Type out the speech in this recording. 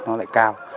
nó lại cao